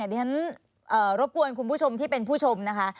ดิฉันรบกวนคุณผู้ชมที่เป็นผู้ชมนะคะ